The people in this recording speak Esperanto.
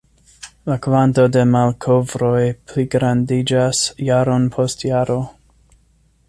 La kvanto de malkovroj pligrandiĝas jaron post jaro.